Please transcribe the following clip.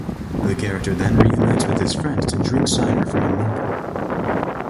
The character then reunites with his friends to "drink cider from a melon".